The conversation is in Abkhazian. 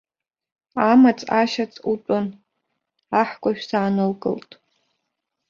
Амаҵ-ашьаҵ утәын, аҳкәажә саанылкылт.